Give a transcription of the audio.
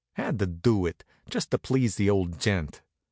Had to do it, just to please the old gent.